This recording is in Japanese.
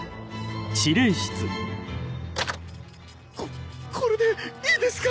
ここれでいいですかッ？